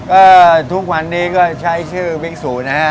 ก็ทุกวันนี้ก็ใช้ชื่อวิกษูนะฮะ